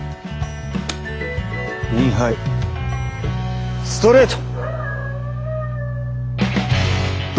インハイストレート！